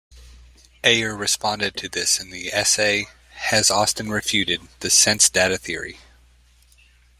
Ayer responded to this in the essay Has Austin Refuted the Sense-data Theory?